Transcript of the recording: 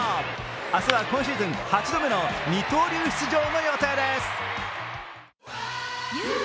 明日は今シーズン８度目の二刀流出場の予定です。